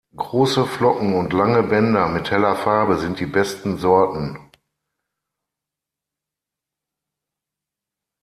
Große Flocken und lange Bänder mit heller Farbe sind die besten Sorten.